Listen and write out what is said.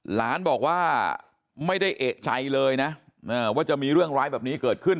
หลานบอกว่าไม่ได้เอกใจเลยนะว่าจะมีเรื่องร้ายแบบนี้เกิดขึ้น